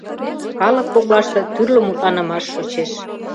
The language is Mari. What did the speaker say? Калык коклаште тӱрлӧ мутланымаш шочеш.